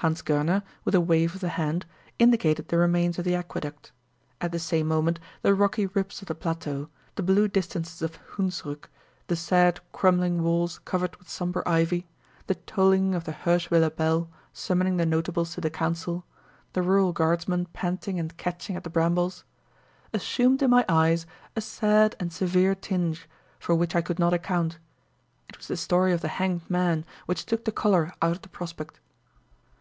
Hans Goerner, with a wave of the hand, indicated the remains of the aqueduct. At the same moment the rocky ribs of the plateau, the blue distances of Hundsrück, the sad crumbling walls covered with somber ivy, the tolling of the Hirschwiller bell summoning the notables to the council, the rural guardsman panting and catching at the brambles assumed in my eyes a sad and severe tinge, for which I could not account: it was the story of the hanged man which took the color out of the prospect.